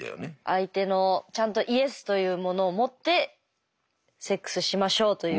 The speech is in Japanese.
相手のちゃんと「イエス」というものをもってセックスしましょうという。